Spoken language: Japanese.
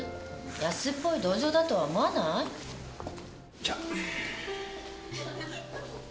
安っぽい同情だとは思わない？じゃ。